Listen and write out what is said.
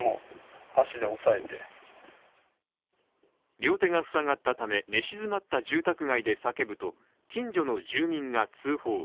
両手が塞がったため寝静まった住宅街で叫ぶと近所の住民が通報。